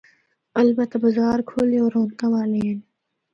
البتہ بازار کھلے ہور رونقاں والے ہن۔